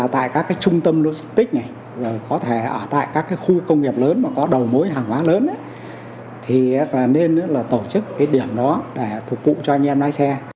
tại các trung tâm logistic này có thể ở tại các khu công nghiệp lớn mà có đầu mối hàng hóa lớn nên tổ chức điểm đó để phục vụ cho anh em lái xe